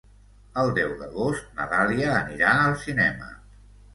El deu d'agost na Dàlia anirà al cinema.